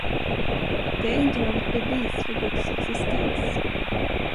Det är inte något bevis för Guds existens.